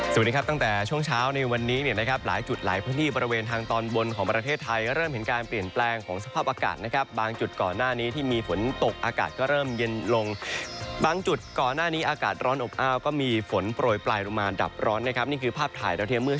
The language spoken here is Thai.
สวัสดีครับตั้งแต่ช่วงเช้าในวันนี้เนี่ยนะครับหลายจุดหลายพื้นที่บริเวณทางตอนบนของประเทศไทยเริ่มเห็นการเปลี่ยนแปลงของสภาพอากาศนะครับบางจุดก่อนหน้านี้ที่มีฝนตกอากาศก็เริ่มเย็นลงบางจุดก่อนหน้านี้อากาศร้อนอบอ้าวก็มีฝนโปรยปลายลงมาดับร้อนนะครับนี่คือภาพถ่ายดาวเทียมเมื่อ